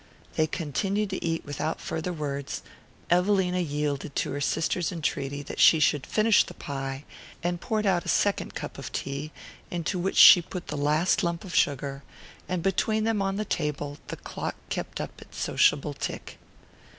They continued to eat without farther words. Evelina yielded to her sister's entreaty that she should finish the pie, and poured out a second cup of tea, into which she put the last lump of sugar; and between them, on the table, the clock kept up its sociable tick.